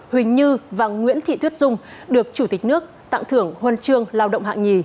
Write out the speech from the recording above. huỳnh như và nguyễn thị thuyết dung được chủ tịch nước tặng thưởng huân trường lao động hạng hai